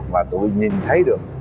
mà tôi nhìn thấy được